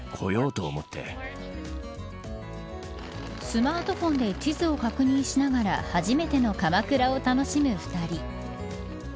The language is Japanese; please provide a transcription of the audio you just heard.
スマートフォンで地図を確認しながら初めての鎌倉を楽しむ二人。